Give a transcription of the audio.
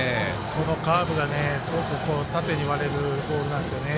このカーブが、すごく縦に割れるボールなんですよね。